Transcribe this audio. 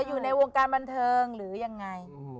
อยู่ในวงการบันเทิงหรือยังไง